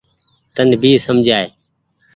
تن ڀي سمجهائي۔